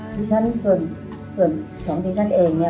ดิฉันส่วนของดิฉันเองเนี่ย